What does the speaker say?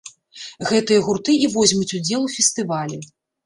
Гэтыя гурты і возьмуць удзел у фестывалі.